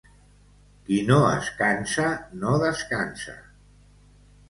Qui no es cansa, no descansa.